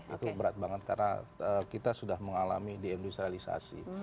itu berat banget karena kita sudah mengalami di industrialisasi